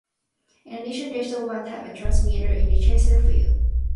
In addition, Digital One have a transmitter in Chesterfield.